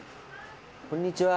こんにちは。